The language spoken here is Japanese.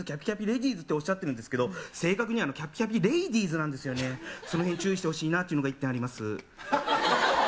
レディーズっておっしゃってるんですけど、正確にはきゃぴきゃぴレイディーズなんですよね、そのへん注意してほしいなというのが一点あります。